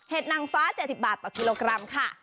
นางฟ้า๗๐บาทต่อกิโลกรัมค่ะ